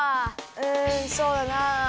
うんそうだな。